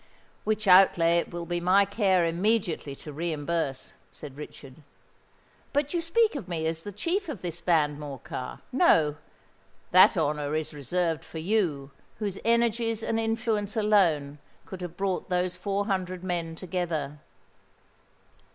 "Which outlay it will be my care immediately to reimburse," said Richard. "But you speak of me as the chief of this band, Morcar? No—that honour is reserved for you, whose energies and influence alone could have brought those four hundred men together."